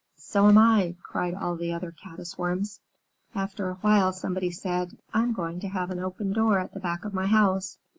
"So am I," cried all the other Caddis Worms. After a while, somebody said, "I'm going to have an open door at the back of my house."